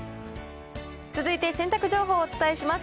続いて、洗濯情報をお伝えします。